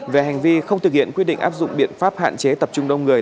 về hành vi không thực hiện quyết định áp dụng biện pháp hạn chế tập trung đông người